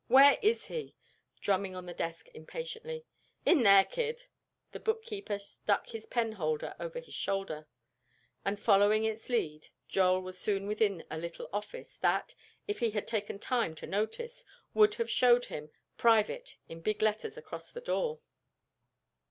"Where is he?" drumming on the desk impatiently. "In there, kid," the bookkeeper stuck his penholder over his shoulder, and following its lead, Joel was soon within a little office, that, if he had taken time to notice, would have showed him "Private" in big letters across the door.